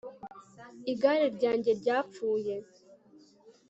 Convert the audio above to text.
igare ryanjye ryapfuye